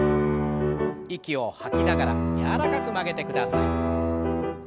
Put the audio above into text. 息を吐きながら柔らかく曲げてください。